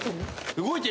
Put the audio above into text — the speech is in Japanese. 動いてる。